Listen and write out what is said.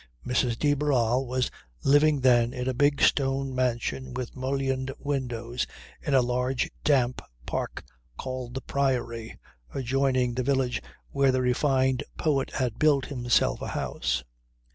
Mrs. de Barral was living then in a big stone mansion with mullioned windows in a large damp park, called the Priory, adjoining the village where the refined poet had built himself a house.